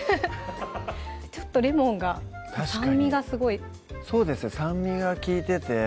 ちょっとレモンが酸味がすごいそうですね酸味が利いてて